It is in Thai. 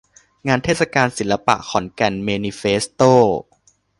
งานเทศกาลศิลปะ ขอนแก่นเมนิเฟสโต้